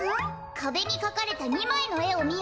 「かべにかかれた２まいのえをみよ。